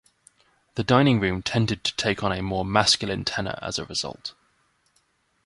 The dining room tended to take on a more masculine tenor as a result.